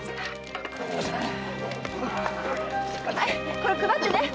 これ配ってね。